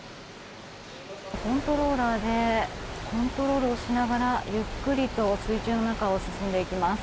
コントローラーでコントロールしながらゆっくりと水中の中を進んでいきます。